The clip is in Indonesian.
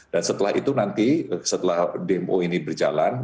setelah itu nanti setelah dmo ini berjalan